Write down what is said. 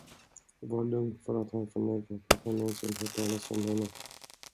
Var lugn för att han förnekat att han nånsin hört talas om henne.